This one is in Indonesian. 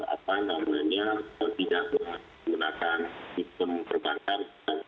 apa namanya tidak menggunakan sistem perbankan